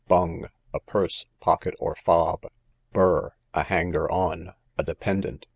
Bung, a purse, pocket, or fob. Bur, a hanger on, a dependant.